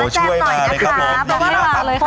ช่วยมาอย่างนี้ครับ